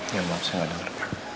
ya maaf saya gak denger